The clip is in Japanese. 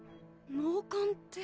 脳幹って。